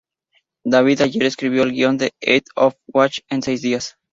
David Ayer escribió el guion de "End of Watch" en seis días.